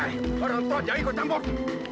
itu dia bos